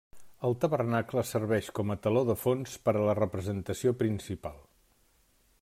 El tabernacle serveix com a teló de fons per a la representació principal.